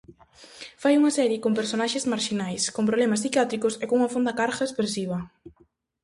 Fai unha serie con personaxes marxinais, con problemas psiquiátricos e cunha fonda carga expresiva.